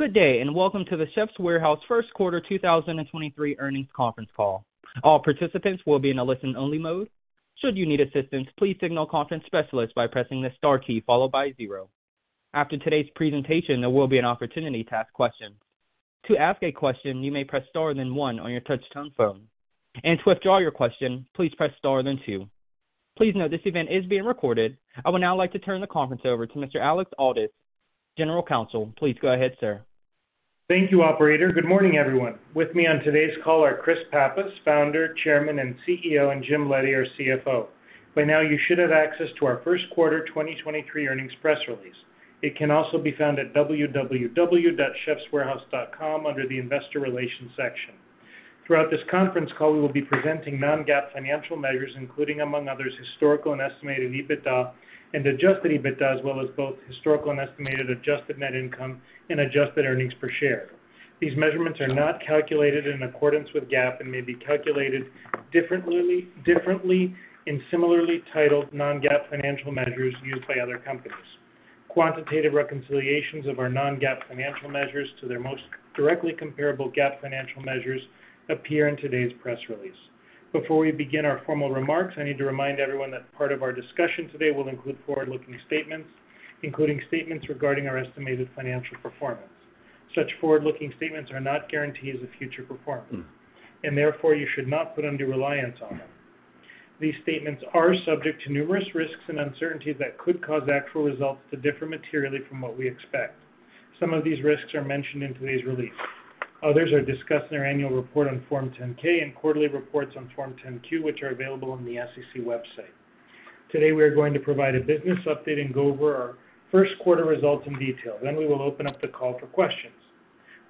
Good day, and welcome to The Chefs' Warehouse first quarter 2023 earnings conference call. All participants will be in a listen-only mode. Should you need assistance, please signal conference specialist by pressing the star key followed by zero. After today's presentation, there will be an opportunity to ask questions. To ask a question, you may press star then one on your touch-tone phone. To withdraw your question, please press star then two. Please note this event is being recorded. I would now like to turn the conference over to Mr. Alex Aldous, General Counsel. Please go ahead, sir. Thank you, operator. Good morning, everyone. With me on today's call are Chris Pappas, founder, chairman, and CEO, and Jim Leddy, our CFO. By now, you should have access to our first quarter 2023 earnings press release. It can also be found at www.chefwarehouse.com under the Investor Relations section. Throughout this conference call, we will be presenting non-GAAP financial measures, including among others, historical and estimated EBITDA and adjusted EBITDA, as well as both historical and estimated adjusted net income and adjusted earnings per share. These measurements are not calculated in accordance with GAAP and may be calculated differently in similarly titled non-GAAP financial measures used by other companies. Quantitative reconciliations of our non-GAAP financial measures to their most directly comparable GAAP financial measures appear in today's press release. Before we begin our formal remarks, I need to remind everyone that part of our discussion today will include forward-looking statements, including statements regarding our estimated financial performance. Such forward-looking statements are not guarantees of future performance, and therefore you should not put under reliance on them. These statements are subject to numerous risks and uncertainties that could cause actual results to differ materially from what we expect. Some of these risks are mentioned in today's release. Others are discussed in our annual report on Form 10-K and quarterly reports on Form 10-Q, which are available on the SEC website. Today, we are going to provide a business update and go over our first quarter results in detail. We will open up the call for questions.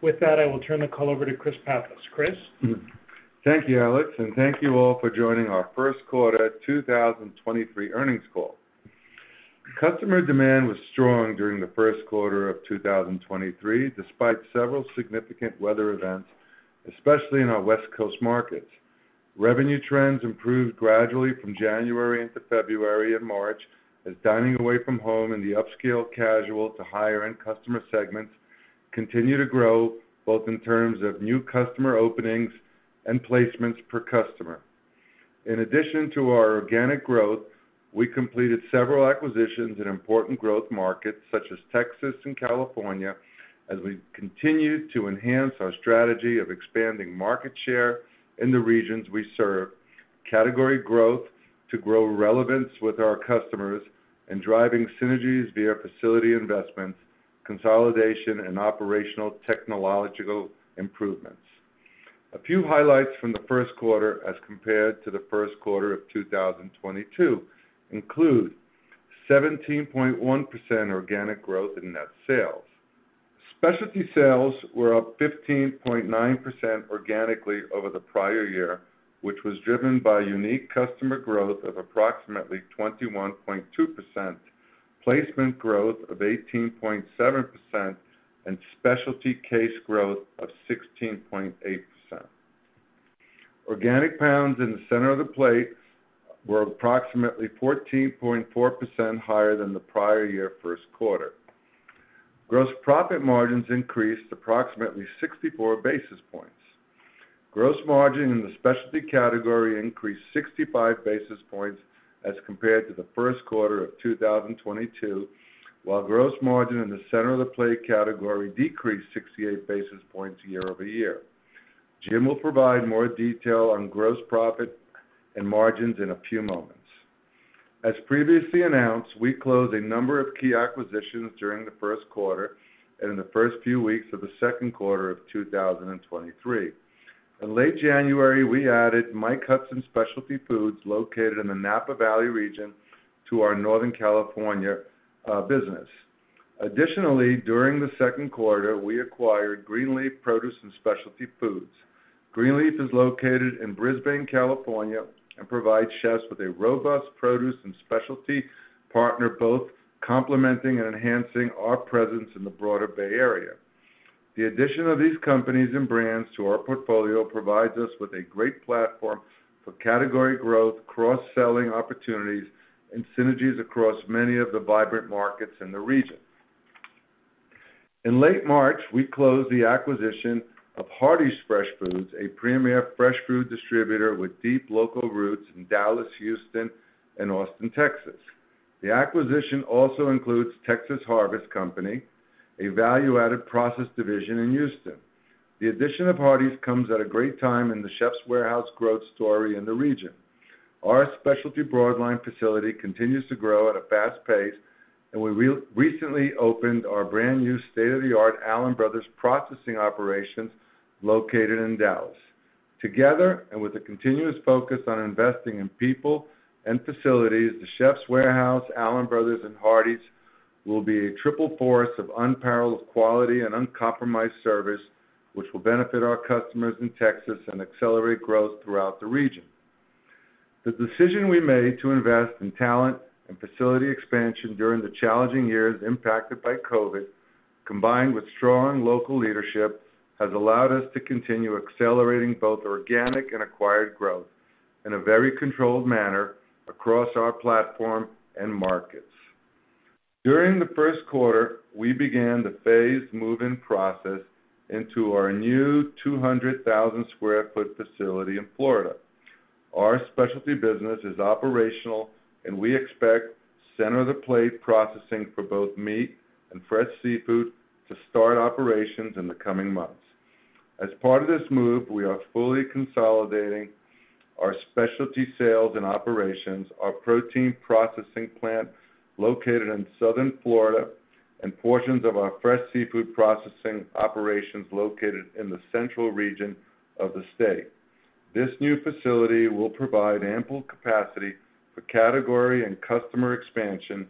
With that, I will turn the call over to Chris Pappas. Chris. Thank you, Alex, and thank you all for joining our first quarter 2023 earnings call. Customer demand was strong during the first quarter of 2023, despite several significant weather events, especially in our West Coast markets. Revenue trends improved gradually from January into February and March as dining away from home in the upscale casual to higher-end customer segments continue to grow, both in terms of new customer openings and placements per customer. In addition to our organic growth, we completed several acquisitions in important growth markets such as Texas and California as we continued to enhance our strategy of expanding market share in the regions we serve, category growth to grow relevance with our customers, and driving synergies via facility investments, consolidation, and operational technological improvements. A few highlights from the first quarter as compared to the first quarter of 2022 include 17.1% organic growth in net sales. Specialty sales were up 15.9% organically over the prior year, which was driven by unique customer growth of approximately 21.2%, placement growth of 18.7%, and specialty case growth of 16.8%. Organic pounds in the center of the plate were approximately 14.4% higher than the prior year first quarter. Gross profit margins increased approximately 64 basis points. Gross margin in the specialty category increased 65 basis points as compared to the first quarter of 2022, while gross margin in the center of the plate category decreased 68 basis points year-over-year. Jim will provide more detail on gross profit and margins in a few moments. As previously announced, we closed a number of key acquisitions during the first quarter and in the first few weeks of the second quarter of 2023. In late January, we added Mike Hudson Specialty Foods, located in the Napa Valley region, to our Northern California business. Additionally, during the second quarter, we acquired Greenleaf Produce and Specialty Foods. Greenleaf is located in Brisbane, California, and provides chefs with a robust produce and specialty partner, both complementing and enhancing our presence in the broader Bay Area. The addition of these companies and brands to our portfolio provides us with a great platform for category growth, cross-selling opportunities, and synergies across many of the vibrant markets in the region. In late March, we closed the acquisition of Hardie's Fresh Foods, a premier fresh food distributor with deep local roots in Dallas, Houston, and Austin, Texas. The acquisition also includes Texas Harvest Company, a value-added process division in Houston. The addition of Hardie's comes at a great time in The Chefs' Warehouse growth story in the region. Our specialty broad line facility continues to grow at a fast pace, and we recently opened our brand new state-of-the-art Allen Brothers processing operations located in Dallas. Together, and with a continuous focus on investing in people and facilities, The Chefs' Warehouse, Allen Brothers, and Hardie's will be a triple force of unparalleled quality and uncompromised service, which will benefit our customers in Texas and accelerate growth throughout the region. The decision we made to invest in talent and facility expansion during the challenging years impacted by COVID, combined with strong local leadership, has allowed us to continue accelerating both organic and acquired growth. In a very controlled manner across our platform and markets. During the first quarter, we began the phased move-in process into our new 200,000 sq ft facility in Florida. Our specialty business is operational, and we expect center of the plate processing for both meat and fresh seafood to start operations in the coming months. As part of this move, we are fully consolidating our specialty sales and operations, our protein processing plant located in southern Florida, and portions of our fresh seafood processing operations located in the central region of the state. This new facility will provide ample capacity for category and customer expansion,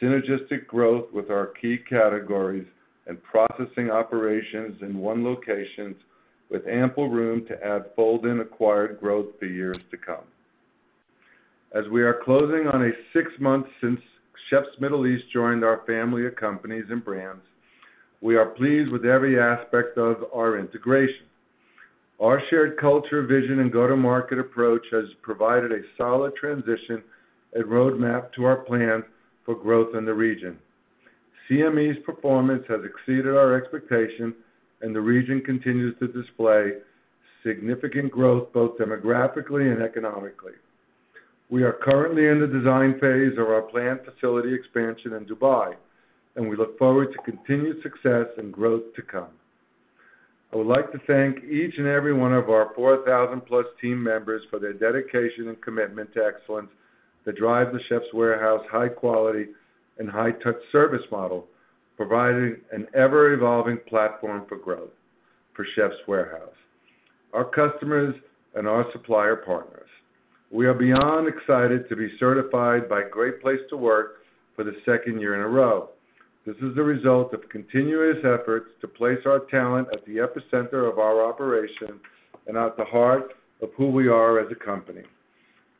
synergistic growth with our key categories and processing operations in one location with ample room to add fold and acquired growth for years to come. As we are closing on a six months since Chef Middle East joined our family of companies and brands, we are pleased with every aspect of our integration. Our shared culture, vision and go-to-market approach has provided a solid transition, a roadmap to our plan for growth in the region. CME's performance has exceeded our expectation, and the region continues to display significant growth, both demographically and economically. We are currently in the design phase of our planned facility expansion in Dubai, and we look forward to continued success and growth to come. I would like to thank each and every one of our 4,000+ team members for their dedication and commitment to excellence that drive The Chefs' Warehouse high quality and high touch service model, providing an ever-evolving platform for growth for The Chefs' Warehouse, our customers, and our supplier partners. We are beyond excited to be certified by Great Place To Work for the 2nd year in a row. This is the result of continuous efforts to place our talent at the epicenter of our operation and at the heart of who we are as a company.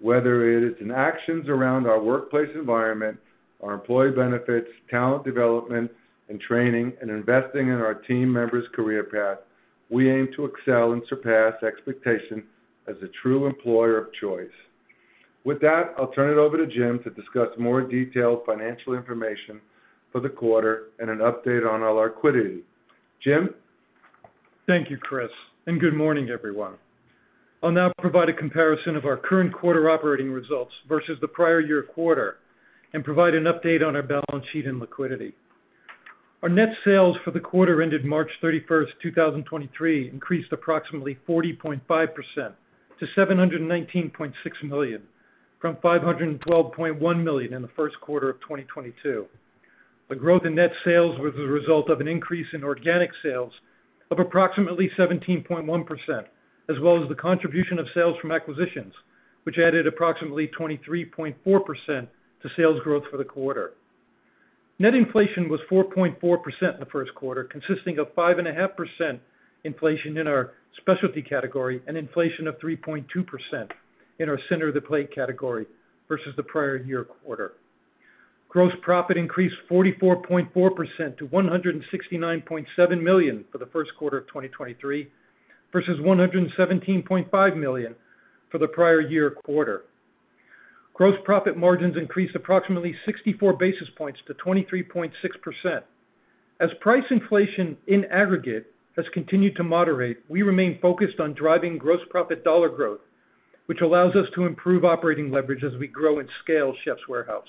Whether it is in actions around our workplace environment, our employee benefits, talent development and training, and investing in our team members' career path, we aim to excel and surpass expectations as a true employer of choice. With that, I'll turn it over to Jim to discuss more detailed financial information for the quarter and an update on our liquidity. Jim? Thank you, Chris. Good morning, everyone. I'll now provide a comparison of our current quarter operating results versus the prior year quarter and provide an update on our balance sheet and liquidity. Our net sales for the quarter ended March 31, 2023, increased approximately 40.5% to $719.6 million from $512.1 million in the first quarter of 2022. The growth in net sales was the result of an increase in organic sales of approximately 17.1%, as well as the contribution of sales from acquisitions, which added approximately 23.4% to sales growth for the quarter. Net inflation was 4.4% in the first quarter, consisting of 5.5% inflation in our specialty category and inflation of 3.2% in our center of the plate category versus the prior year quarter. Gross profit increased 44.4% to $169.7 million for the first quarter of 2023 versus $117.5 million for the prior year quarter. Gross profit margins increased approximately 64 basis points to 23.6%. As price inflation in aggregate has continued to moderate, we remain focused on driving gross profit dollar growth, which allows us to improve operating leverage as we grow and scale Chefs Warehouse.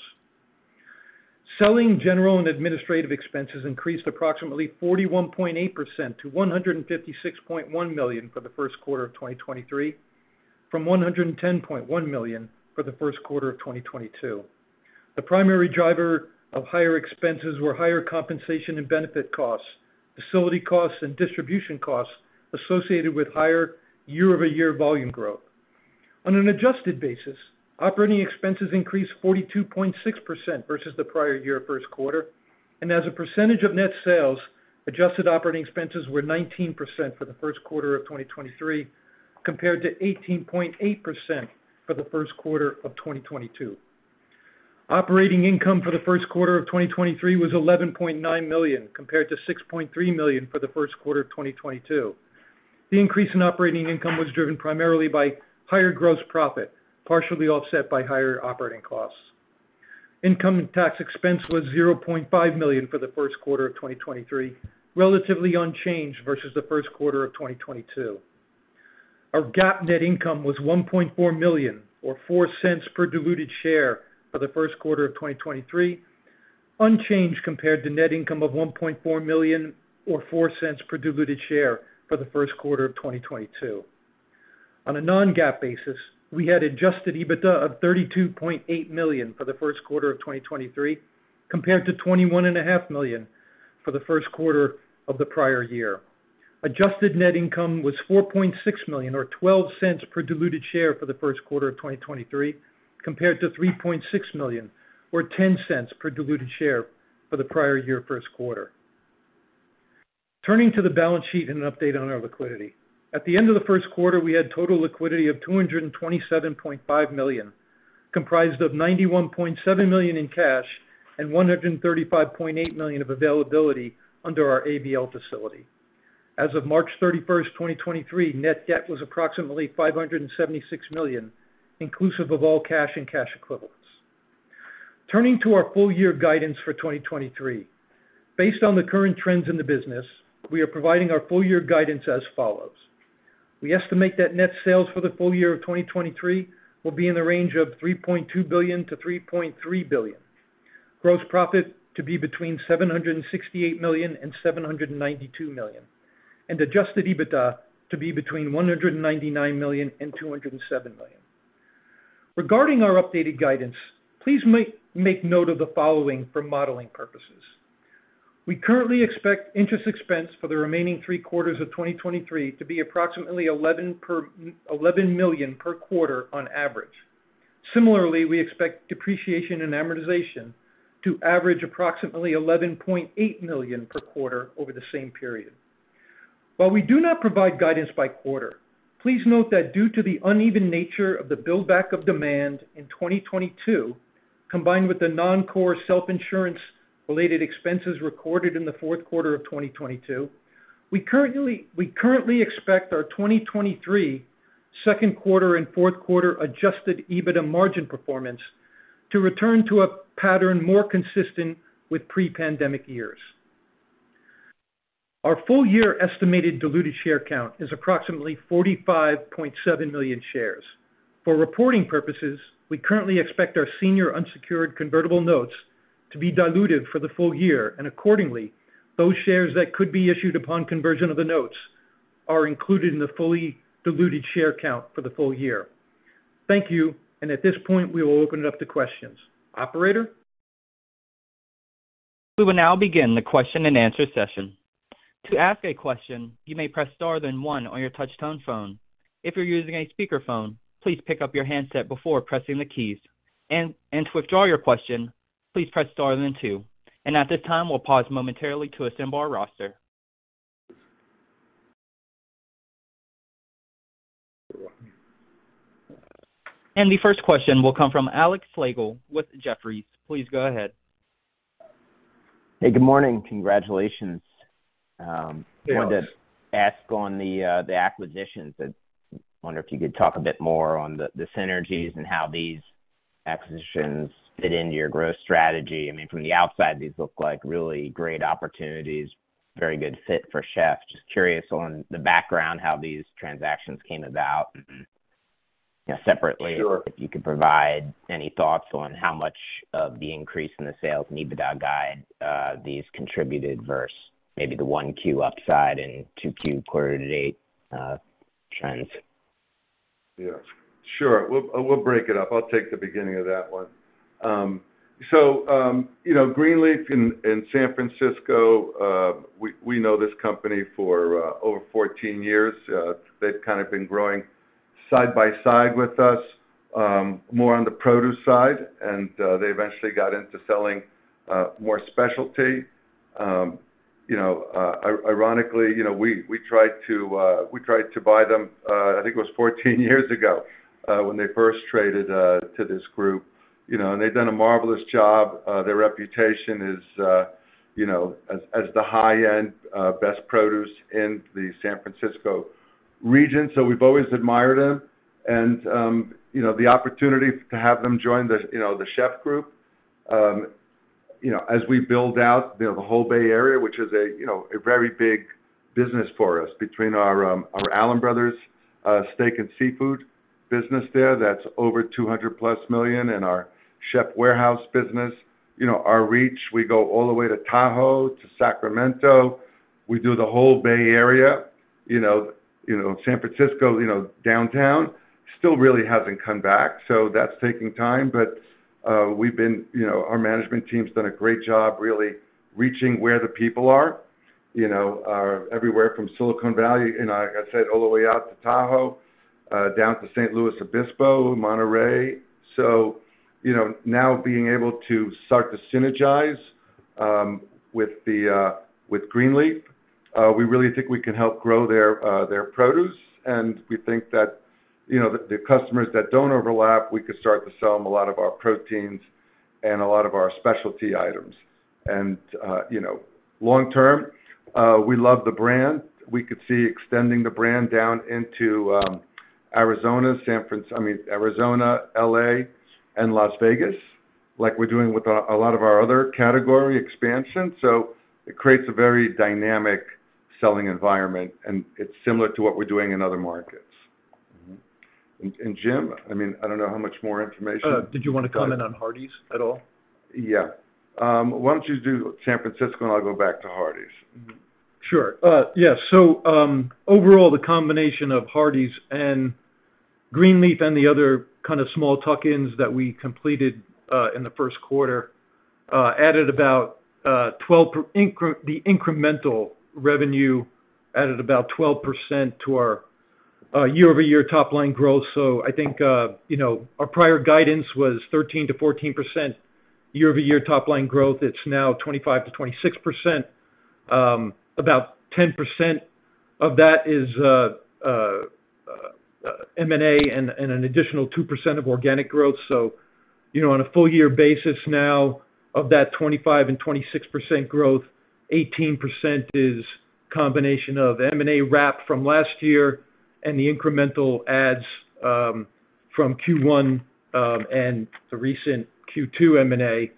Selling, general and administrative expenses increased approximately 41.8% to $156.1 million for the first quarter of 2023, from $110.1 million for the first quarter of 2022. The primary driver of higher expenses were higher compensation and benefit costs, facility costs, and distribution costs associated with higher year-over-year volume growth. On an adjusted basis, operating expenses increased 42.6% versus the prior year first quarter, and as a percentage of net sales, adjusted operating expenses were 19% for the first quarter of 2023, compared to 18.8% for the first quarter of 2022. Operating income for the first quarter of 2023 was $11.9 million, compared to $6.3 million for the first quarter of 2022. The increase in operating income was driven primarily by higher gross profit, partially offset by higher operating costs. Income tax expense was $0.5 million for the first quarter of 2023, relatively unchanged versus the first quarter of 2022. Our GAAP net income was $1.4 million or $0.04 per diluted share for the first quarter of 2023, unchanged compared to net income of $1.4 million or $0.04 per diluted share for the first quarter of 2022. On a non-GAAP basis, we had adjusted EBITDA of $32.8 million for the first quarter of 2023 compared to $21 and a half million for the first quarter of the prior year. Adjusted net income was $4.6 million or $0.12 per diluted share for the first quarter of 2023, compared to $3.6 million or $0.10 per diluted share for the prior year first quarter. Turning to the balance sheet and an update on our liquidity. At the end of the first quarter, we had total liquidity of $227.5 million, comprised of $91.7 million in cash and $135.8 million of availability under our ABL facility. As of March 31, 2023, net debt was approximately $576 million, inclusive of all cash and cash equivalents. Turning to our full year guidance for 2023. Based on the current trends in the business, we are providing our full year guidance as follows. We estimate that net sales for the full year of 2023 will be in the range of $3.2 billion-$3.3 billion. Gross profit to be between $768 million and $792 million, and adjusted EBITDA to be between $199 million and $207 million. Regarding our updated guidance, please make note of the following for modeling purposes. We currently expect interest expense for the remaining three quarters of 2023 to be approximately $11 million per quarter on average. Similarly, we expect depreciation and amortization to average approximately $11.8 million per quarter over the same period. While we do not provide guidance by quarter, please note that due to the uneven nature of the build back of demand in 2022, combined with the non-core self-insurance related expenses recorded in the fourth quarter of 2022, we currently expect our 2023 second quarter and fourth quarter adjusted EBITDA margin performance to return to a pattern more consistent with pre-pandemic years. Our full year estimated diluted share count is approximately 45.7 million shares. For reporting purposes, we currently expect our senior unsecured convertible notes to be diluted for the full year, and accordingly, those shares that could be issued upon conversion of the notes are included in the fully diluted share count for the full year. Thank you. At this point, we will open it up to questions. Operator? We will now begin the question-and-answer session. To ask a question, you may press star then one on your touch tone phone. If you're using a speakerphone, please pick up your handset before pressing the keys. To withdraw your question, please press star then two. At this time, we'll pause momentarily to assemble our roster. The first question will come from Alex Slagle with Jefferies. Please go ahead. Hey, good morning. Congratulations. Thanks. Wanted to ask on the acquisitions. I wonder if you could talk a bit more on the synergies and how these acquisitions fit into your growth strategy. I mean, from the outside, these look like really great opportunities, very good fit for Chef. Just curious on the background, how these transactions came about. You know, separately- Sure If you could provide any thoughts on how much of the increase in the sales and EBITDA guide, these contributed versus maybe the 1Q upside and 2Q quarter to date, trends. Yeah, sure. We'll, we'll break it up. I'll take the beginning of that one. You know, Greenleaf in San Francisco, we know this company for over 14 years. They've kinda been growing side by side with us, more on the produce side, they eventually got into selling more specialty. You know, ironically, you know, we tried to buy them, I think it was 14 years ago, when they first traded to this group. You know, they've done a marvelous job. Their reputation is, you know, as the high-end, best produce in the San Francisco region. We've always admired them and, you know, the opportunity to have them join the, you know, the Chefs' group, you know, as we build out the whole Bay Area, which is a, you know, a very big business for us between our Allen Brothers steak and seafood business there, that's over $200 plus million in our Chefs' Warehouse business. You know, our reach, we go all the way to Tahoe, to Sacramento. We do the whole Bay Area, you know, you know, San Francisco, you know, downtown still really hasn't come back, so that's taking time. We've been, you know, our management team's done a great job really reaching where the people are, you know, everywhere from Silicon Valley and like I said, all the way out to Tahoe, down to San Luis Obispo, Monterey. You know, now being able to start to synergize with the Greenleaf, we really think we can help grow their produce. We think that, you know, the customers that don't overlap, we could start to sell them a lot of our proteins and a lot of our specialty items. You know, long term, we love the brand. We could see extending the brand down into Arizona, I mean, Arizona, L.A., and Las Vegas, like we're doing with a lot of our other category expansions. It creates a very dynamic selling environment, and it's similar to what we're doing in other markets. Jim, I mean, I don't know how much more information. Did you want to comment on Hardie's at all? Yeah. Why don't you do San Francisco, and I'll go back to Hardie's. Sure. Yes. Overall, the combination of Hardie's and Greenleaf and the other kind of small tuck-ins that we completed in the first quarter, the incremental revenue added about 12% to our year-over-year top-line growth. I think, you know, our prior guidance was 13%-14% year-over-year top-line growth. It's now 25%-26%. About 10% of that is M&A and an additional 2% of organic growth. You know, on a full year basis now, of that 25% and 26% growth, 18% is combination of M&A wrap from last year and the incremental adds from Q1 and the recent Q2 M&A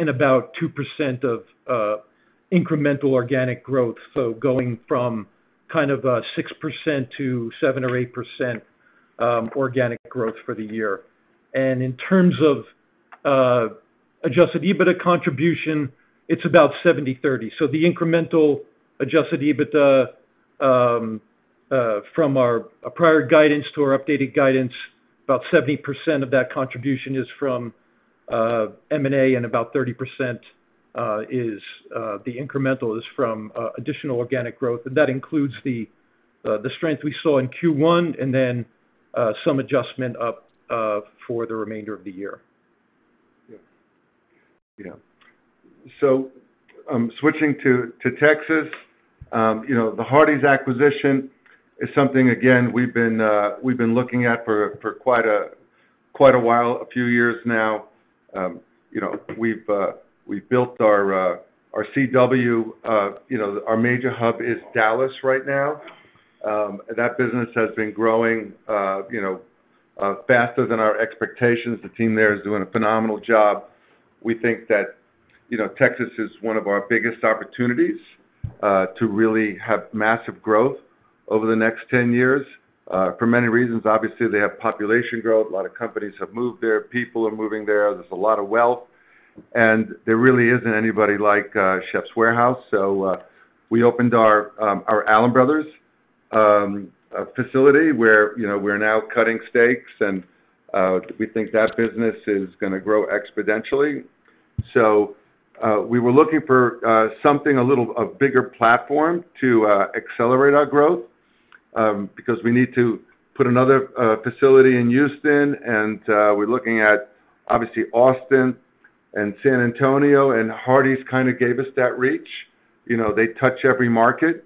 and about 2% of incremental organic growth. Going from 6% to 7% or 8% organic growth for the year. In terms of adjusted EBITDA contribution, it's about 70/30. The incremental adjusted EBITDA from our prior guidance to our updated guidance, about 70% of that contribution is from M&A, and about 30% is the incremental is from additional organic growth. That includes the strength we saw in Q1 and then some adjustment up for the remainder of the year. Yeah. Switching to Texas. You know, the Hardie's acquisition is something, again, we've been looking at for quite a while, a few years now. You know, we've built our CW, you know, our major hub is Dallas right now. That business has been growing, you know, faster than our expectations. The team there is doing a phenomenal job. We think that, you know, Texas is one of our biggest opportunities to really have massive growth over the next 10 years for many reasons. Obviously, they have population growth, a lot of companies have moved there, people are moving there's a lot of wealth. There really isn't anybody like Chefs' Warehouse. We opened our Allen Brothers facility, where, you know, we're now cutting steaks and we think that business is gonna grow exponentially. We were looking for something a little, a bigger platform to accelerate our growth because we need to put another facility in Houston and we're looking at obviously Austin and San Antonio, and Hardie's kind of gave us that reach. You know, they touch every market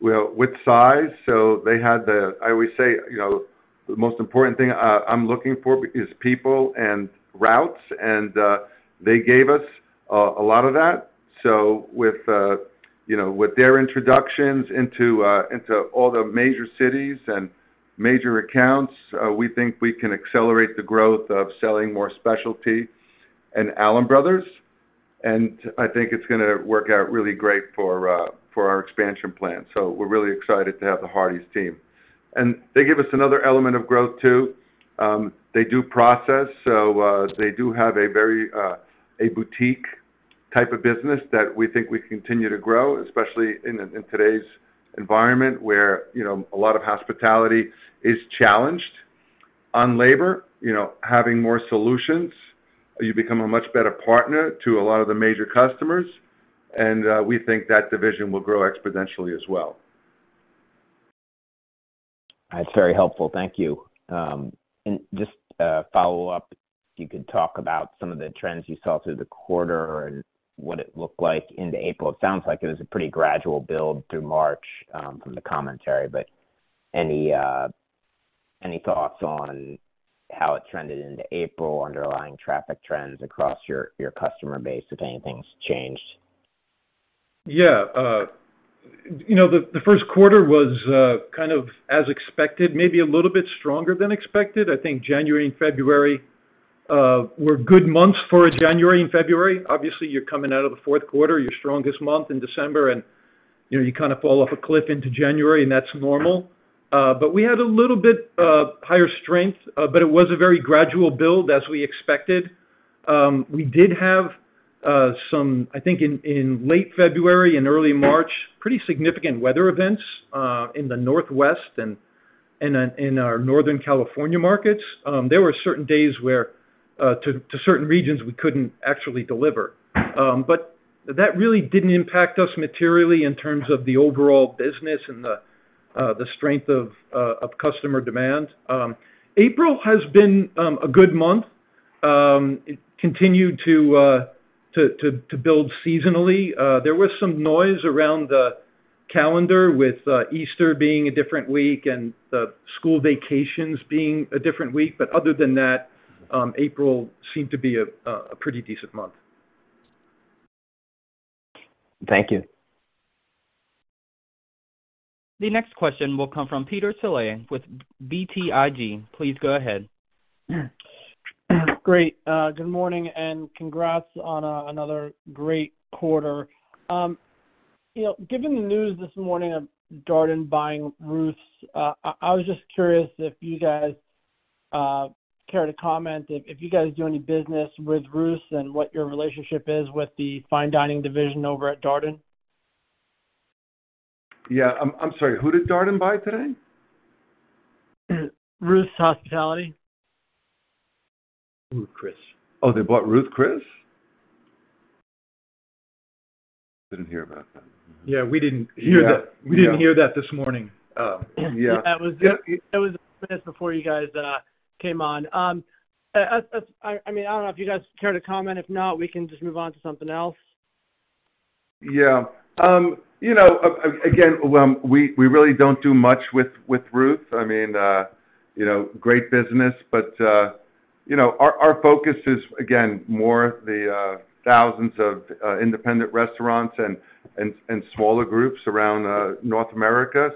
with size. I always say, you know, the most important thing I'm looking for is people and routes, and they gave us a lot of that. With, you know, with their introductions into all the major cities and major accounts, we think we can accelerate the growth of selling more specialty in Allen Brothers. I think it's gonna work out really great for for our expansion plan. We're really excited to have the Hardie's team. They give us another element of growth too. They do process, so they do have a very a boutique type of business that we think we continue to grow, especially in today's environment where, you know, a lot of hospitality is challenged on labor. You know, having more solutions, you become a much better partner to a lot of the major customers, and we think that division will grow exponentially as well. That's very helpful. Thank you. Just a follow-up. If you could talk about some of the trends you saw through the quarter and what it looked like into April. It sounds like it was a pretty gradual build through March from the commentary. Any thoughts on how it trended into April, underlying traffic trends across your customer base, if anything's changed? Yeah. you know, the first quarter was kind of as expected, maybe a little bit stronger than expected. I think January and February were good months for January and February. Obviously, you're coming out of the fourth quarter, your strongest month in December, and, you know, you kinda fall off a cliff into January, and that's normal. We had a little bit of higher strength, but it was a very gradual build, as we expected. We did have some, I think in late February and early March, pretty significant weather events in the Northwest and in our Northern California markets. There were certain days where, to certain regions we couldn't actually deliver. That really didn't impact us materially in terms of the overall business and the strength of customer demand. April has been a good month. It continued to build seasonally. There was some noise around the calendar with Easter being a different week and the school vacations being a different week. Other than that, April seemed to be a pretty decent month. Thank you. The next question will come from Peter Saleh with BTIG. Please go ahead. Great. Good morning, and congrats on another great quarter. You know, given the news this morning of Darden buying Ruth's, I was just curious if you guys care to comment if you guys do any business with Ruth's and what your relationship is with the fine dining division over at Darden? Yeah. I'm sorry, who did Darden buy today? Ruth's Hospitality. Ruth's Chris. Oh, they bought Ruth's Chris? Didn't hear about that. Yeah, we didn't hear that. Yeah. Yeah. We didn't hear that this morning. Oh, yeah. That was just before you guys came on. I mean, I don't know if you guys care to comment. If not, we can just move on to something else. Yeah. You know, again, well, we really don't do much with Ruth's. I mean, you know, great business, but, you know, our focus is again, more the thousands of independent restaurants and smaller groups around North America.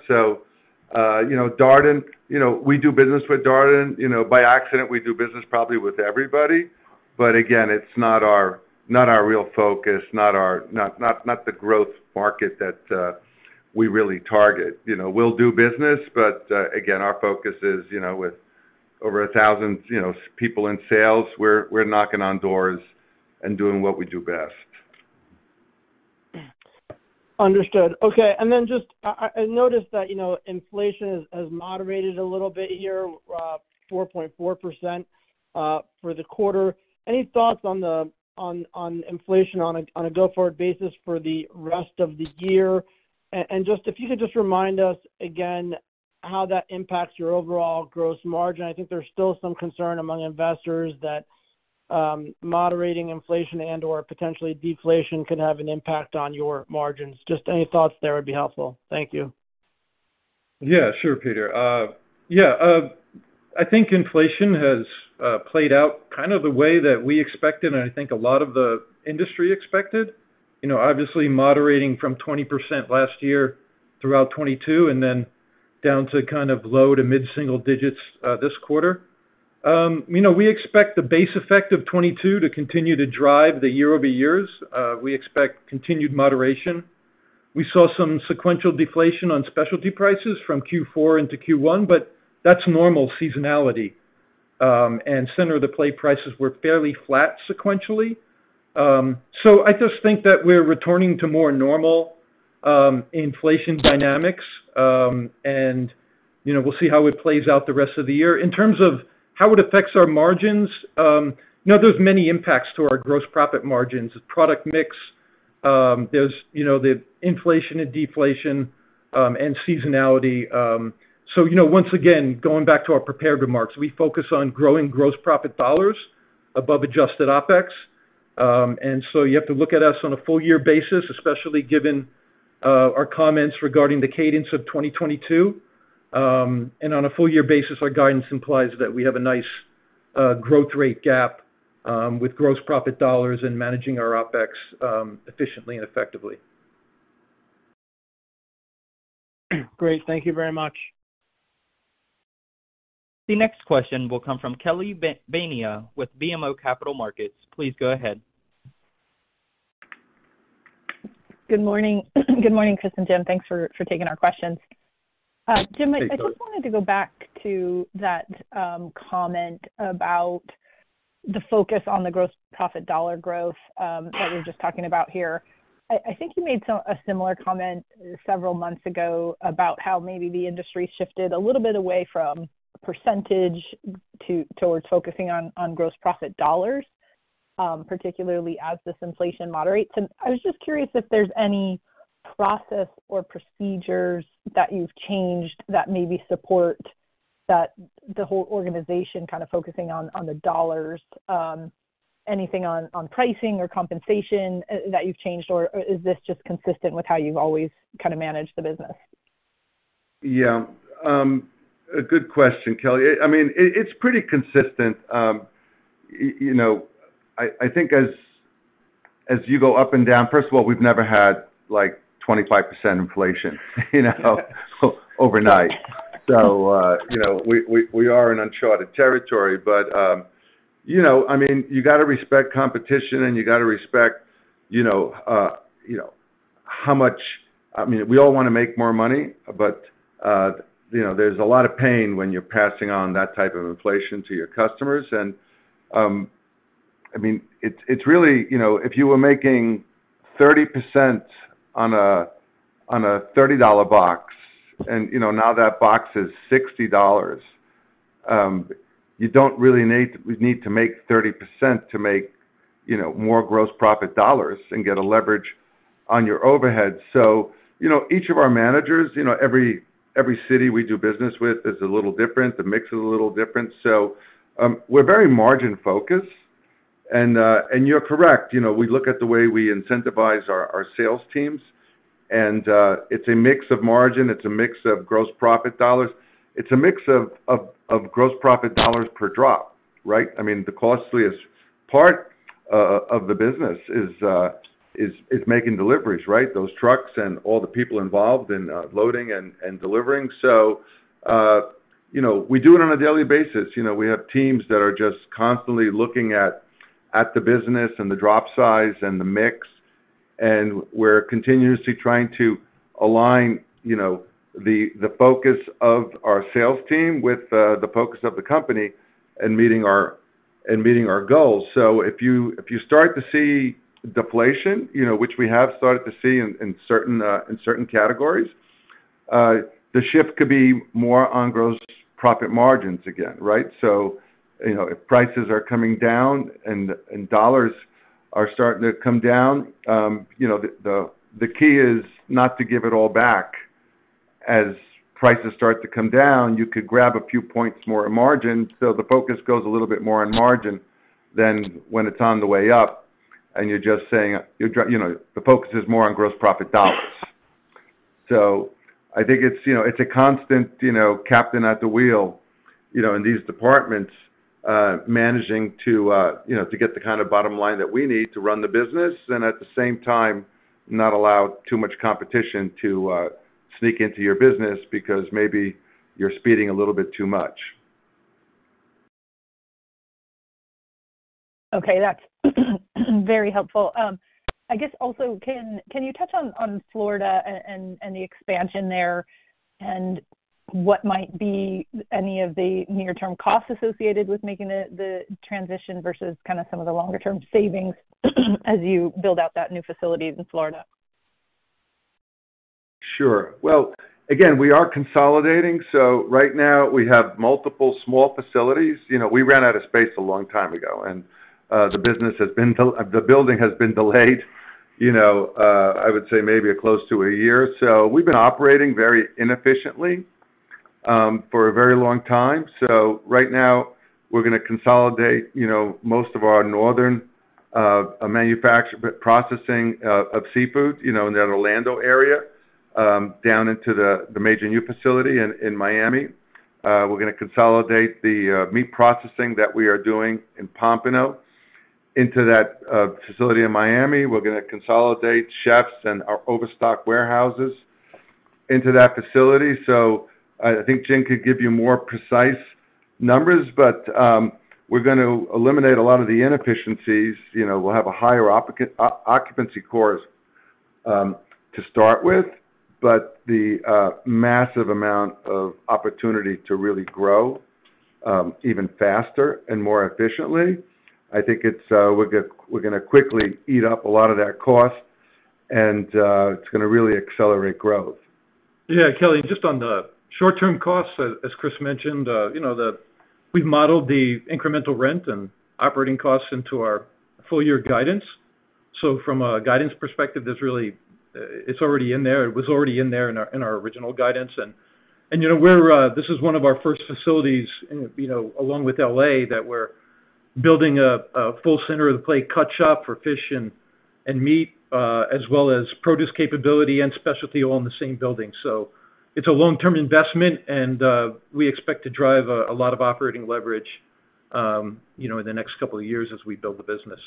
You know Darden, you know, we do business with Darden. You know, by accident, we do business probably with everybody. Again, it's not our, not our real focus, not the growth market that we really target. You know, we'll do business. Again, our focus is, you know, with over 1,000 people in sales, we're knocking on doors and doing what we do best. Understood. Okay. Just I noticed that, you know, inflation has moderated a little bit here, 4.4% for the quarter. Any thoughts on inflation on a go-forward basis for the rest of the year? Just if you could just remind us again how that impacts your overall gross margin. I think there's still some concern among investors that moderating inflation and/or potentially deflation can have an impact on your margins. Just any thoughts there would be helpful. Thank you. Yeah, sure, Peter. Yeah. I think inflation has played out kind of the way that we expected, and I think a lot of the industry expected. You know, obviously moderating from 20% last year throughout 2022, and then down to kind of low to mid-single digits this quarter. You know, we expect the base effect of 2022 to continue to drive the year-over-years. We expect continued moderation. We saw some sequential deflation on specialty prices from Q4 into Q1, but that's normal seasonality. Center of the plate prices were fairly flat sequentially. I just think that we're returning to more normal inflation dynamics, and, you know, we'll see how it plays out the rest of the year. In terms of how it affects our margins, you know, there's many impacts to our gross profit margins. There's product mix. There's, you know, the inflation and deflation and seasonality. You know, once again, going back to our prepared remarks, we focus on growing gross profit dollars above adjusted OpEx. You have to look at us on a full year basis, especially given our comments regarding the cadence of 2022. On a full year basis, our guidance implies that we have a nice growth rate gap with gross profit dollars and managing our OpEx efficiently and effectively. Great. Thank you very much. The next question will come from Kelly Bania with BMO Capital Markets. Please go ahead. Good morning. Good morning, Chris and Jim. Thanks for taking our questions. Hey, Kelly. Jim, I just wanted to go back to that comment about the focus on the gross profit dollar growth that we're just talking about here. I think you made a similar comment several months ago about how maybe the industry shifted a little bit away from percentage towards focusing on gross profit dollars, particularly as this inflation moderates. I was just curious if there's any process or procedures that you've changed that maybe support that the whole organization kind of focusing on the dollars, anything on pricing or compensation that you've changed, or is this just consistent with how you've always kind of managed the business? Yeah. A good question, Kelly. I mean, it's pretty consistent. You know, I think as you go up and down, first of all, we've never had, like, 25% inflation, you know, overnight. You know, we are in uncharted territory. You know, I mean, you gotta respect competition, and you gotta respect, you know, how much. I mean, we all wanna make more money, but, you know, there's a lot of pain when you're passing on that type of inflation to your customers. I mean, it's really, you know, if you were making 30% on a, on a $30 box and, you know, now that box is $60, you don't really need to make 30% to make, you know, more gross profit dollars and get a leverage on your overhead. You know, each of our managers, you know, every city we do business with is a little different. The mix is a little different. We're very margin-focused. You're correct, you know, we look at the way we incentivize our sales teams, and, it's a mix of margin. It's a mix of gross profit dollars. It's a mix of gross profit dollars per drop, right? I mean, the costliest part of the business is making deliveries, right? Those trucks and all the people involved in loading and delivering. You know, we do it on a daily basis. You know, we have teams that are just constantly looking at the business and the drop size and the mix. We're continuously trying to align, you know, the focus of our sales team with the focus of the company and meeting our goals. If you start to see deflation, you know, which we have started to see in certain categories, the shift could be more on gross profit margins again, right? You know, if prices are coming down and dollars are starting to come down, you know, the key is not to give it all back. As prices start to come down, you could grab a few points more in margin. The focus goes a little bit more on margin than when it's on the way up, and you're just saying, you know, the focus is more on gross profit dollars. I think it's, you know, it's a constant, you know, captain at the wheel, you know, in these departments, managing to, you know, to get the kind of bottom line that we need to run the business and at the same time, not allow too much competition to sneak into your business because maybe you're speeding a little bit too much. Okay, that's very helpful. I guess also, can you touch on Florida and the expansion there and what might be any of the near-term costs associated with making the transition versus kinda some of the longer-term savings as you build out that new facility in Florida? Sure. Well, again, we are consolidating. Right now we have multiple small facilities. You know, we ran out of space a long time ago, and the building has been delayed, you know, I would say maybe close to one year. We've been operating very inefficiently for a very long time. Right now we're gonna consolidate, you know, most of our northern processing of seafood, you know, in that Orlando area down into the major new facility in Miami. We're gonna consolidate the meat processing that we are doing in Pompano into that facility in Miami. We're gonna consolidate chefs and our overstock warehouses into that facility. I think Jim could give you more precise numbers, but we're going to eliminate a lot of the inefficiencies. You know, we'll have a higher occupancy course to start with. The massive amount of opportunity to really grow even faster and more efficiently, I think it's we're gonna quickly eat up a lot of that cost, and it's gonna really accelerate growth. Yeah. Kelly, just on the short-term costs, as Chris mentioned, you know, we've modeled the incremental rent and operating costs into our full year guidance. From a guidance perspective, there's really, it's already in there. It was already in there in our original guidance. You know, we're, this is one of our first facilities in, you know, along with L.A., that we're building a full center of the plate cut shop for fish and meat, as well as produce capability and specialty all in the same building. It's a long-term investment, and we expect to drive a lot of operating leverage, you know, in the next couple of years as we build the business.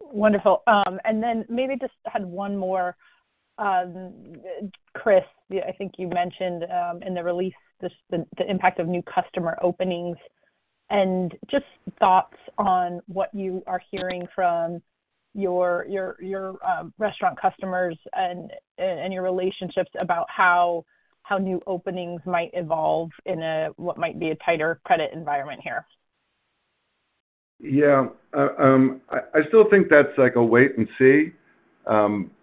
Wonderful. Then maybe just had one more. Chris, yeah, I think you mentioned in the release this, the impact of new customer openings. Just thoughts on what you are hearing from your restaurant customers and your relationships about how new openings might evolve in a, what might be a tighter credit environment here. I still think that's like a wait and see.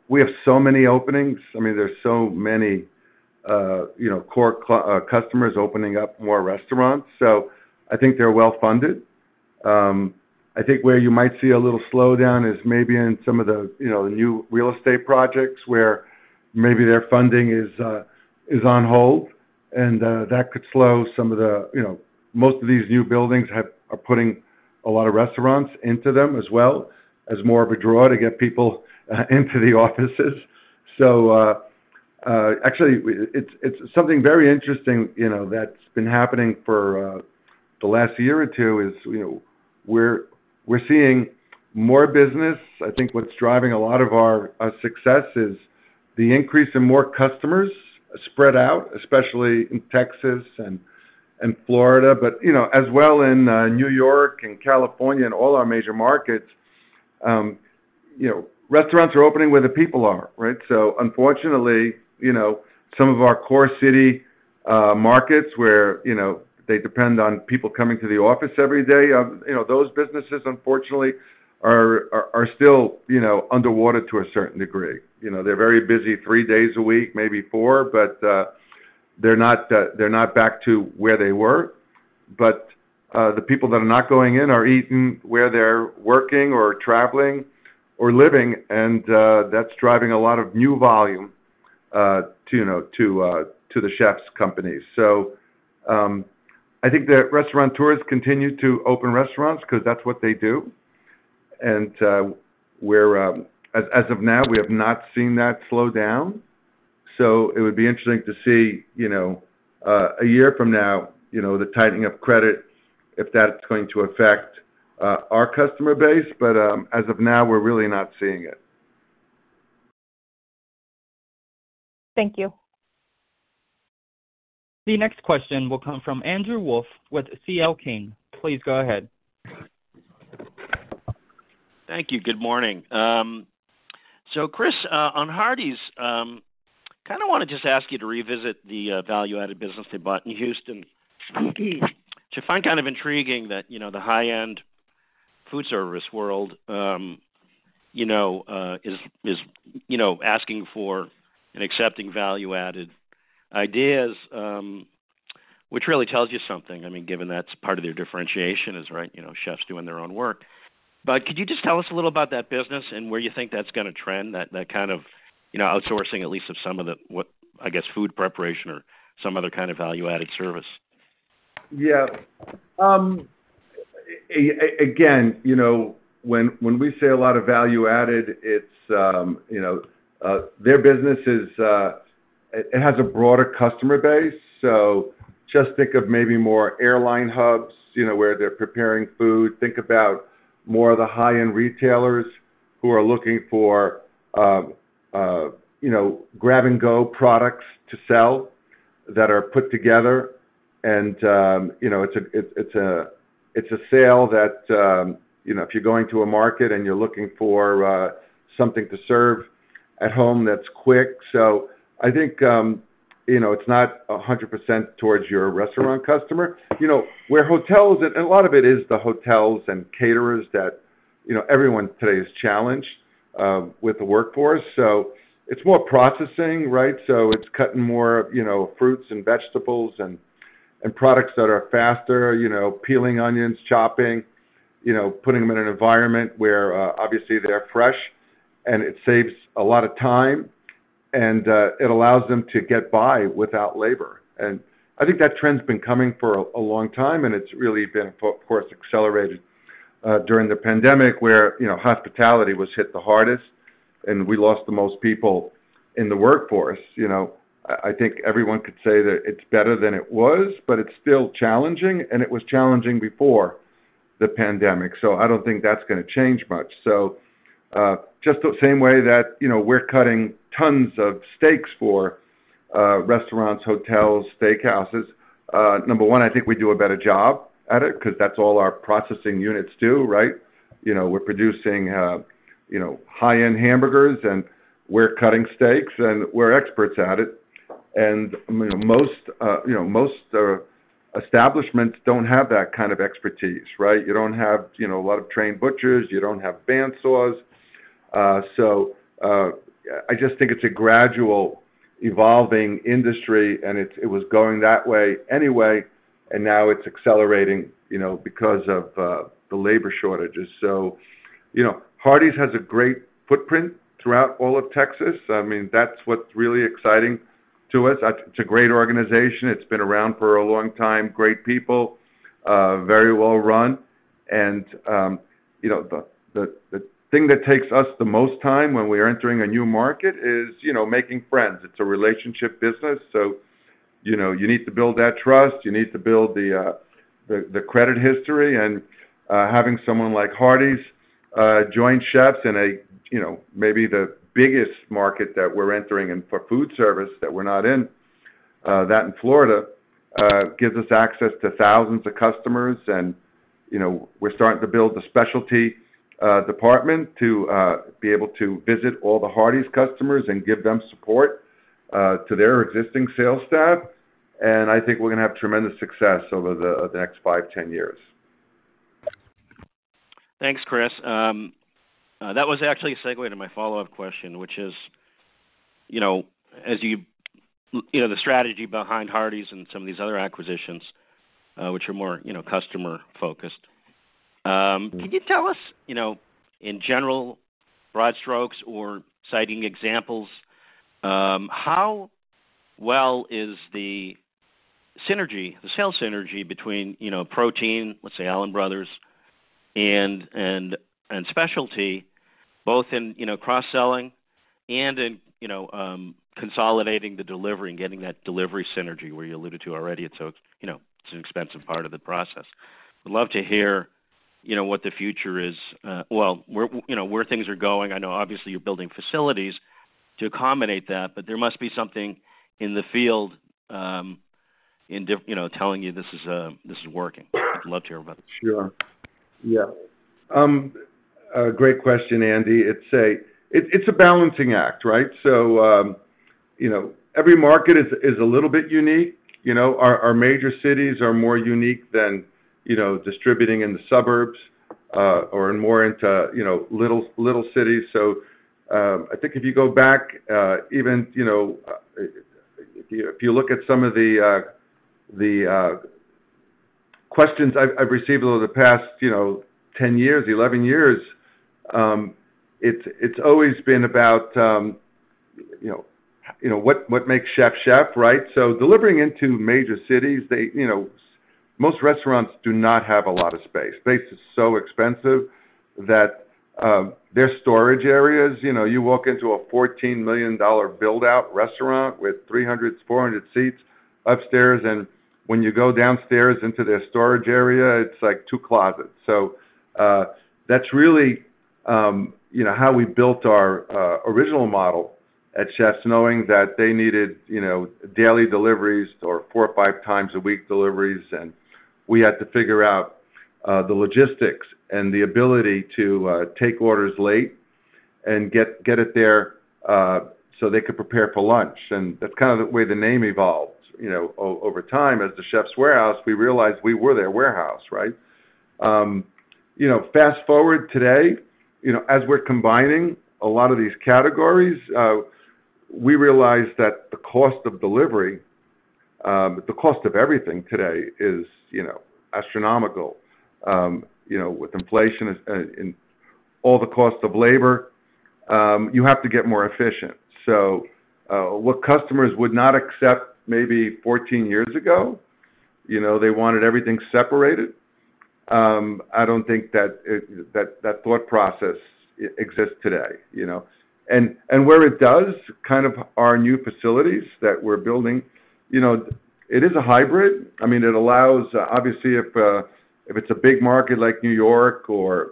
We have so many openings. I mean, there's so many, you know, core customers opening up more restaurants, so I think they're well-funded. I think where you might see a little slowdown is maybe in some of the, you know, the new real estate projects where maybe their funding is on hold, and that could slow some of the. You know, most of these new buildings are putting a lot of restaurants into them as well as more of a draw to get people into the offices. Actually, it's something very interesting, you know, that's been happening for the last year or two, is, you know, we're seeing more business. I think what's driving a lot of our success is the increase in more customers spread out, especially in Texas and Florida, but, you know, as well in New York and California and all our major markets. You know, restaurants are opening where the people are, right? Unfortunately, you know, some of our core city markets where, you know, they depend on people coming to the office every day, you know, those businesses unfortunately are still, you know, underwater to a certain degree. You know, they're very busy three days a week, maybe four, but they're not back to where they were. The people that are not going in are eating where they're working or traveling or living and that's driving a lot of new volume to, you know, to The Chefs' Warehouse companies. I think the restaurateurs continue to open restaurants 'cause that's what they do. We're as of now, we have not seen that slow down, so it would be interesting to see, you know, a year from now, you know, the tightening of credit, if that's going to affect our customer base. As of now, we're really not seeing it. Thank you. The next question will come from Andrew Wolf with C.L. King. Please go ahead. Thank you. Good morning. Chris, on Hardie's, kinda wanna just ask you to revisit the value-added business they bought in Houston. To find kind of intriguing that, you know, the high-end food service world, you know, is, you know, asking for and accepting value-added ideas. Which really tells you something. I mean, given that's part of their differentiation is, right, you know, chefs doing their own work. Could you just tell us a little about that business and where you think that's gonna trend, that kind of, you know, outsourcing at least of some of the, what, I guess, food preparation or some other kind of value-added service? Yeah. Again, you know, when we say a lot of value added, it's, you know, their business is, it has a broader customer base. So just think of maybe more airline hubs, you know, where they're preparing food. Think about more of the high-end retailers who are looking for, you know, grab-and-go products to sell that are put together. And, you know, it's a sale that, you know, if you're going to a market and you're looking for, something to serve at home that's quick. So I think, you know, it's not 100% towards your restaurant customer. You know, A lot of it is the hotels and caterers that, you know, everyone today is challenged, with the workforce, so it's more processing, right? It's cutting more, you know, fruits and vegetables and products that are faster, you know, peeling onions, chopping, you know, putting them in an environment where obviously they're fresh and it saves a lot of time and it allows them to get by without labor. I think that trend's been coming for a long time, and it's really been of course accelerated during the pandemic where, you know, hospitality was hit the hardest, and we lost the most people in the workforce, you know. I think everyone could say that it's better than it was, but it's still challenging, and it was challenging before the pandemic, so I don't think that's gonna change much. Just the same way that, you know, we're cutting tons of steaks for restaurants, hotels, steakhouses. Number one, I think we do a better job at it 'cause that's all our processing units do, right? You know, we're producing, you know, high-end hamburgers, and we're cutting steaks, and we're experts at it. Most, you know, most establishments don't have that kind of expertise, right? You don't have, you know, a lot of trained butchers. You don't have band saws. I just think it's a gradual evolving industry, and it was going that way anyway, and now it's accelerating, you know, because of the labor shortages. You know, Hardie's has a great footprint throughout all of Texas. I mean, that's what's really exciting to us. It's a great organization. It's been around for a long time, great people, very well run. You know, the thing that takes us the most time when we're entering a new market is, you know, making friends. It's a relationship business, so, you know, you need to build that trust. You need to build the credit history. Having someone like Hardie's join Chefs' in a, you know, maybe the biggest market that we're entering and for food service that we're not in, that in Florida, gives us access to thousands of customers and, you know, we're starting to build a specialty department to be able to visit all the Hardie's customers and give them support to their existing sales staff. I think we're gonna have tremendous success over the next 5, 10 years. Thanks, Chris. That was actually a segue to my follow-up question, which is, you know, as you know, the strategy behind Hardie's and some of these other acquisitions, which are more, you know, customer focused. Can you tell us, you know, in general broad strokes or citing examples, how well is the synergy, the sales synergy between, you know, protein, let's say Allen Brothers and specialty, both in, you know, cross-selling and in, you know, consolidating the delivery and getting that delivery synergy where you alluded to already? It's so, you know, it's an expensive part of the process. I'd love to hear, you know, what the future is. Well, where, you know, where things are going. I know obviously you're building facilities to accommodate that. There must be something in the field, you know, telling you this is working. I'd love to hear about it. Sure. Yeah. A great question, Andy. It's a balancing act, right? Every market is a little bit unique. You know, our major cities are more unique than, you know, distributing in the suburbs, or more into, you know, little cities. I think if you go back, even, you know, if you look at some of the questions I've received over the past, you know, 10 years, 11 years, it's always been about, you know, what makes Chef, right? Delivering into major cities, they, you know, most restaurants do not have a lot of space. Space is so expensive that, you know, their storage areas, you walk into a $14 million buildout restaurant with 300, 400 seats upstairs, and when you go downstairs into their storage area, it's like two closets. That's really, you know, how we built our original model at The Chefs' Warehouse, knowing that they needed, you know, daily deliveries or four or five times a week deliveries. We had to figure out the logistics and the ability to take orders late and get it there so they could prepare for lunch. That's kind of the way the name evolved, you know, over time. As The Chefs' Warehouse, we realized we were their warehouse, right? you know, fast-forward today, you know, as we're combining a lot of these categories, We realize that the cost of delivery, the cost of everything today is, you know, astronomical. you know, with inflation is, and all the cost of labor, you have to get more efficient. What customers would not accept maybe 14 years ago, you know, they wanted everything separated. I don't think that that thought process exists today, you know. Where it does kind of our new facilities that we're building, you know, it is a hybrid. I mean, it allows, obviously, if it's a big market like New York or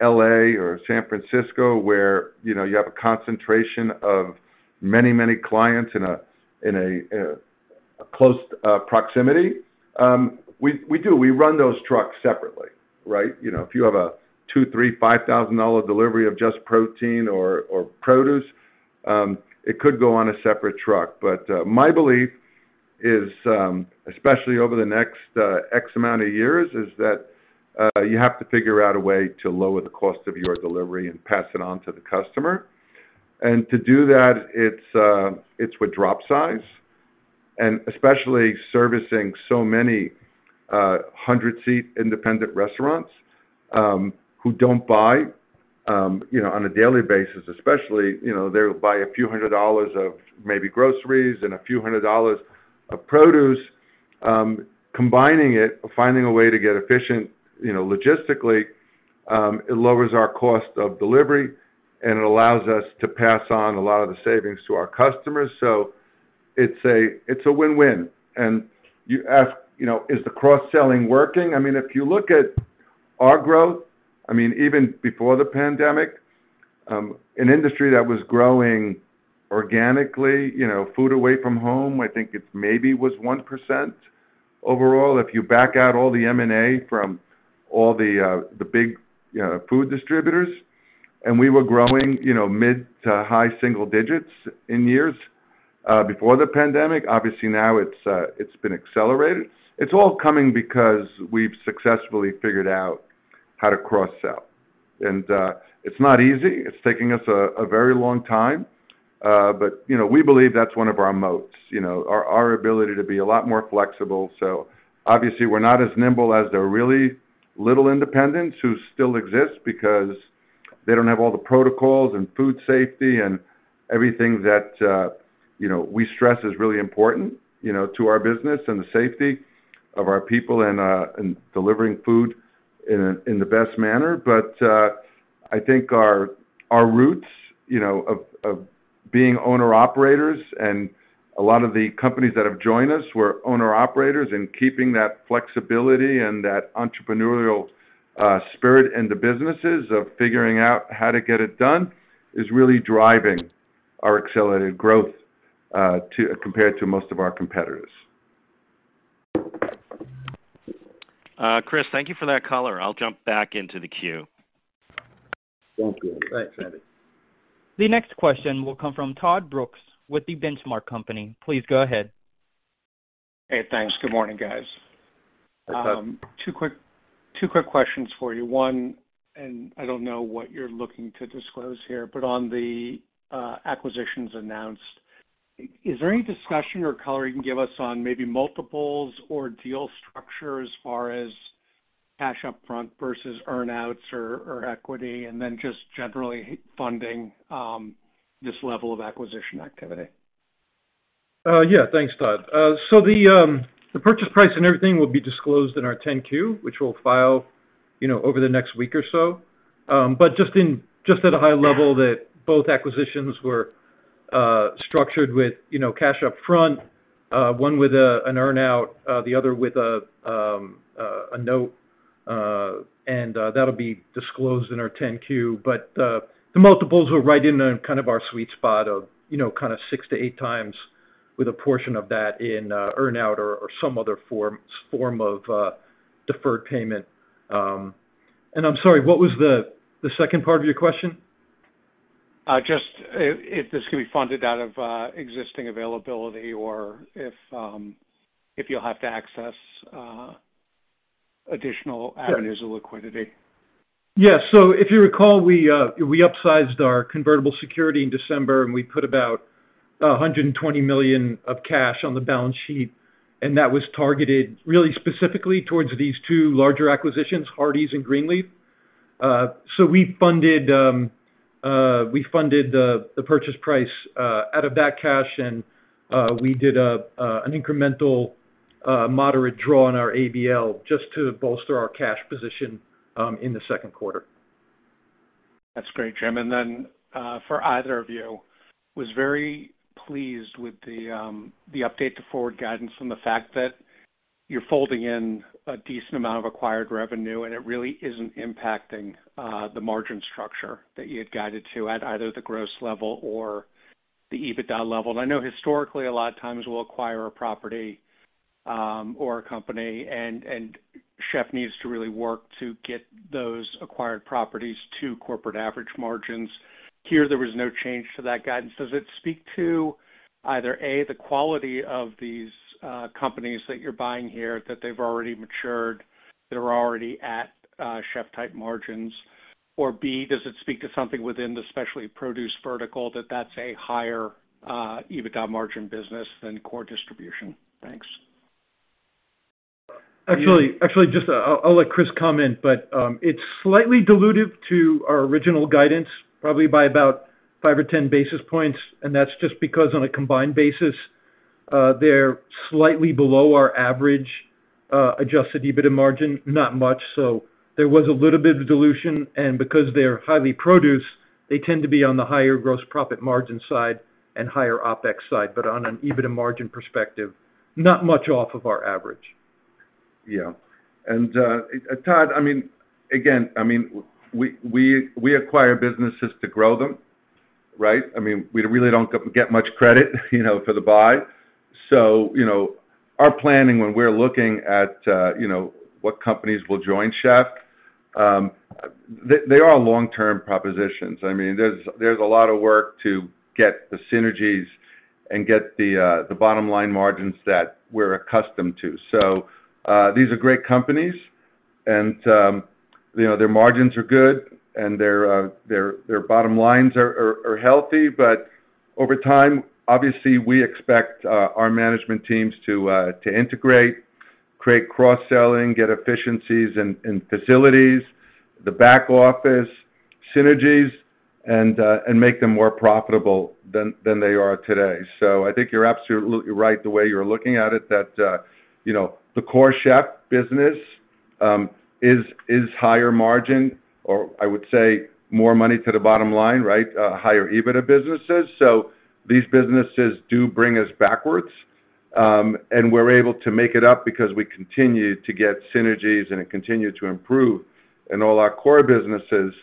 L.A. or San Francisco, where, you know, you have a concentration of many, many clients in a close proximity, we run those trucks separately, right? You know, if you have a $2,000, $3,000, $5,000 delivery of just protein or produce, it could go on a separate truck. My belief is, especially over the next X amount of years, is that you have to figure out a way to lower the cost of your delivery and pass it on to the customer. To do that, it's with drop size, and especially servicing so many 100-seat independent restaurants, who don't buy, you know, on a daily basis, especially, you know, they'll buy a few hundred dollars of maybe groceries and a few hundred dollars of produce. Combining it or finding a way to get efficient, you know, logistically, it lowers our cost of delivery, and it allows us to pass on a lot of the savings to our customers. It's a win-win. You ask, you know, is the cross-selling working? I mean, if you look at our growth, I mean, even before the pandemic, an industry that was growing organically, you know, food away from home, I think it maybe was 1% overall, if you back out all the M&A from all the big food distributors. We were growing, you know, mid to high single digits in years before the pandemic. Obviously, now it's been accelerated. It's all coming because we've successfully figured out how to cross-sell. It's not easy. It's taking us a very long time. You know, we believe that's one of our moats, you know, our ability to be a lot more flexible. Obviously, we're not as nimble as the really little independents who still exist because they don't have all the protocols and food safety and everything that, you know, we stress is really important, you know, to our business and the safety of our people and in delivering food in the best manner. I think our roots, you know, of being owner-operators and a lot of the companies that have joined us were owner-operators, and keeping that flexibility and that entrepreneurial spirit in the businesses of figuring out how to get it done is really driving our accelerated growth compared to most of our competitors. Chris, thank you for that color. I'll jump back into the queue. Thank you. Thanks, Andy. The next question will come from Todd Brooks with The Benchmark Company. Please go ahead. Hey, thanks. Good morning, guys. Hi, Todd. Two quick questions for you. One, I don't know what you're looking to disclose here, but on the acquisitions announced, is there any discussion or color you can give us on maybe multiples or deal structure as far as cash up front versus earn-outs or equity, and then just generally funding this level of acquisition activity? Yeah. Thanks, Todd. So the purchase price and everything will be disclosed in our 10-Q, which we'll file, you know, over the next week or so. Just at a high level that both acquisitions were structured with, you know, cash up front, one with an earn-out, the other with a note. That'll be disclosed in our 10-Q. The multiples were right in kind of our sweet spot of, you know, kind of six to eight times with a portion of that in earn-out or some other form of deferred payment. I'm sorry, what was the second part of your question? Just if this can be funded out of existing availability or if you'll have to access additional avenues. Sure. of liquidity. Yeah. If you recall, we upsized our convertible security in December, and we put about $120 million of cash on the balance sheet, and that was targeted really specifically towards these two larger acquisitions, Hardie's and Greenleaf. We funded the purchase price out of that cash, and we did an incremental moderate draw on our ABL just to bolster our cash position in the second quarter. That's great, Jim. For either of you, was very pleased with the update to forward guidance and the fact that you're folding in a decent amount of acquired revenue, and it really isn't impacting the margin structure that you had guided to at either the gross level or the EBITDA level. I know historically, a lot of times we'll acquire a property, or a company and Chef needs to really work to get those acquired properties to corporate average margins. Here, there was no change to that guidance. Does it speak to Either A, the quality of these companies that you're buying here, that they've already matured, they're already at Chef type margins, or B, does it speak to something within the specialty produce vertical that that's a higher EBITDA margin business than core distribution? Thanks. Actually, just I'll let Chris comment, but it's slightly dilutive to our original guidance, probably by about five or 10 basis points, and that's just because on a combined basis, they're slightly below our average adjusted EBITDA margin, not much. There was a little bit of dilution. Because they're highly produced, they tend to be on the higher gross profit margin side and higher OpEx side. On an EBITDA margin perspective, not much off of our average. Yeah. Todd, I mean, again, I mean, we acquire businesses to grow them, right? I mean, we really don't get much credit, you know, for the buy. You know, our planning when we're looking at, you know, what companies will join Chef, they are long-term propositions. I mean, there's a lot of work to get the synergies and get the bottom line margins that we're accustomed to. These are great companies and, you know, their margins are good and their bottom lines are healthy. Over time, obviously, we expect our management teams to integrate, create cross-selling, get efficiencies in facilities, the back office synergies, and make them more profitable than they are today. I think you're absolutely right the way you're looking at it, that, you know, the core Chef business is higher margin, or I would say more money to the bottom line, right, higher EBITDA businesses. These businesses do bring us backwards, and we're able to make it up because we continue to get synergies and continue to improve in all our core businesses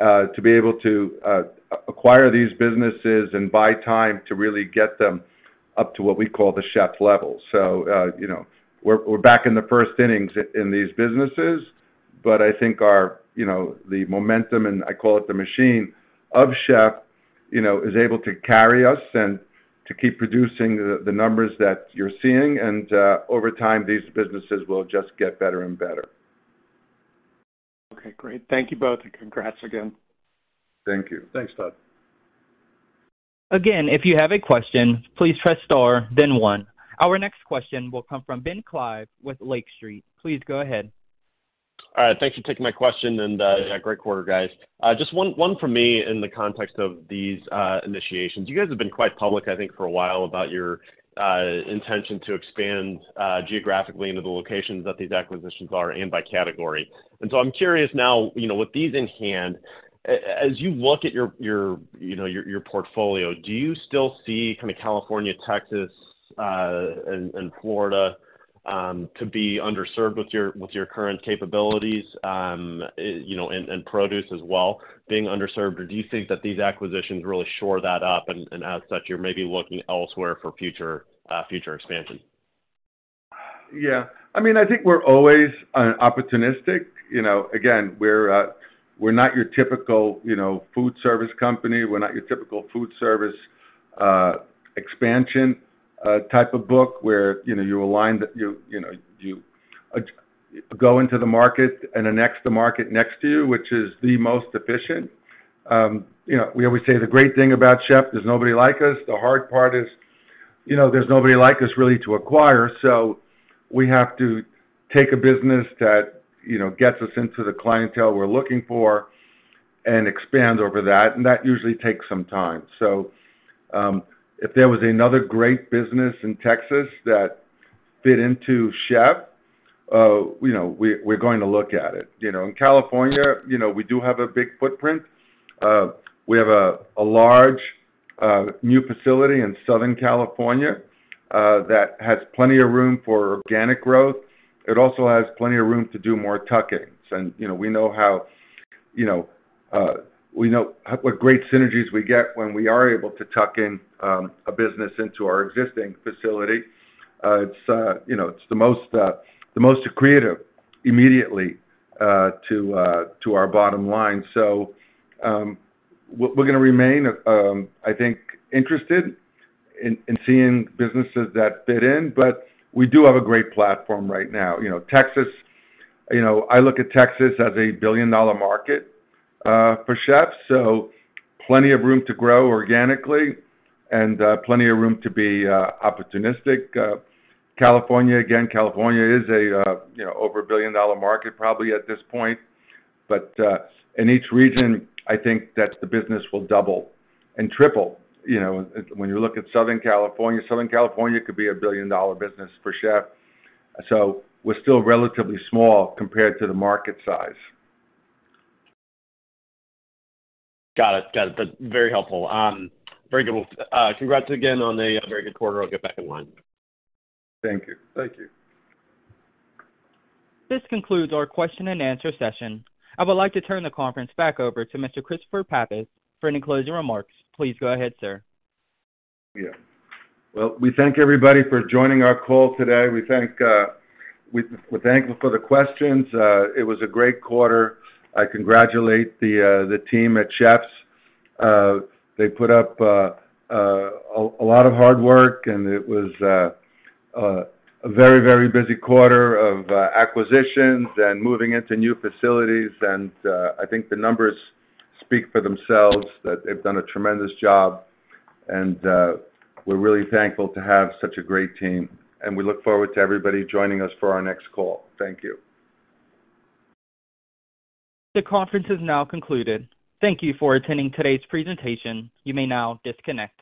to be able to acquire these businesses and buy time to really get them up to what we call the Chef level. You know, we're back in the first innings in these businesses, but I think our, you know, the momentum, and I call it the machine of Chef, you know, is able to carry us and to keep producing the numbers that you're seeing. Over time, these businesses will just get better and better. Okay, great. Thank you both, and congrats again. Thank you. Thanks, Todd. Again, if you have a question, please press star then one. Our next question will come from Ben Klieve with Lake Street. Please go ahead. All right. Thank you for taking my question, and yeah, great quarter, guys. Just one for me in the context of these initiations. You guys have been quite public, I think, for a while about your intention to expand geographically into the locations that these acquisitions are and by category. I'm curious now, you know, with these in hand, as you look at your portfolio, do you still see kinda California, Texas, and Florida to be underserved with your current capabilities, you know, and produce as well being underserved? Do you think that these acquisitions really shore that up and as such you're maybe looking elsewhere for future expansion? Yeah. I mean, I think we're always opportunistic. Again, we're not your typical, you know, food service company. We're not your typical food service expansion type of book where, you know, you align, you know, you go into the market and annex the market next to you, which is the most efficient. We always say the great thing about Chef is nobody like us. The hard part is, you know, there's nobody like us really to acquire. We have to take a business that, you know, gets us into the clientele we're looking for and expand over that, and that usually takes some time. If there was another great business in Texas that fit into Chef, you know, we're going to look at it. You know, in California, you know, we do have a big footprint. We have a large new facility in Southern California that has plenty of room for organic growth. It also has plenty of room to do more tuck-ins. You know, we know how, you know, we know what great synergies we get when we are able to tuck in a business into our existing facility. It's, you know, it's the most accretive immediately to our bottom line. We're gonna remain, I think, interested in seeing businesses that fit in, but we do have a great platform right now. You know, Texas, you know, I look at Texas as a $1 billion market for Chef, so plenty of room to grow organically and plenty of room to be opportunistic. California, again, California is a, you know, over a $1 billion market probably at this point. In each region, I think that the business will double and triple, you know, when you look at Southern California. Southern California could be a $1 billion business for Chef. We're still relatively small compared to the market size. Got it. Got it. That's very helpful. very good. Congrats again on a very good quarter. I'll get back in line. Thank you. Thank you. This concludes our question and answer session. I would like to turn the conference back over to Mr. Christopher Pappas for any closing remarks. Please go ahead, sir. Yeah. Well, we thank everybody for joining our call today. We're thankful for the questions. It was a great quarter. I congratulate the team at Chefs'. They put up a lot of hard work, and it was a very, very busy quarter of acquisitions and moving into new facilities. I think the numbers speak for themselves, that they've done a tremendous job, and we're really thankful to have such a great team. We look forward to everybody joining us for our next call. Thank you. The conference has now concluded. Thank you for attending today's presentation. You may now disconnect.